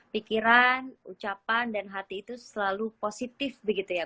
pikiran ucapan dan hati itu selalu positif begitu ya